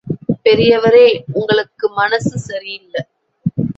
பெரியவரே உங்களுக்கு மனசு சரியில்ல.